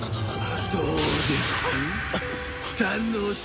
どうです？